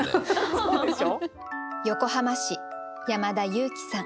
そうでしょ？